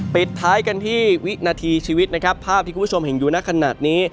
ปิดท้ายกันที่วินาทีชีวิตนะครับภาพที่คุณผู้ชมเห็นอยู่ในขณะนี้